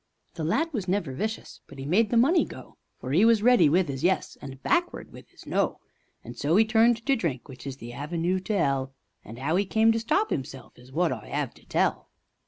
The lad was never vicious, but 'e made the money go, For 'e was ready with 'is "yes," and back ward with 'is "no." And so 'e turned to drink which is the avenoo to 'ell, An' 'ow 'e came to stop 'imself is wot' I 'ave to tell.